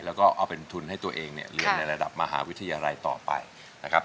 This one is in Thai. แล้วก็เอาเป็นทุนให้ตัวเองเนี่ยเรียนในระดับมหาวิทยาลัยต่อไปนะครับ